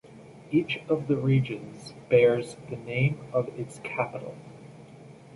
Each of the regions bears the name of its capital.